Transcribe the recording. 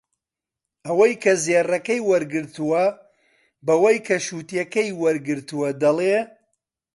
ئەوەی زێڕەکەی وەرگرتووە بەوەی کە شووتییەکەی وەرگرتووە دەڵێ